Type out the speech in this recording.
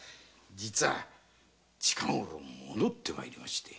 実は近ごろ戻って参りまして。